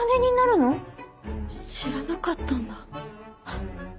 知らなかったんだ。